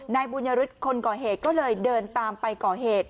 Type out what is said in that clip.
นายบุญยฤทธิ์คนก่อเหตุก็เลยเดินตามไปก่อเหตุ